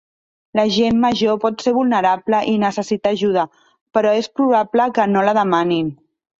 La gent major pot ser vulnerable i necessitar ajuda, però és probable que no la demanin.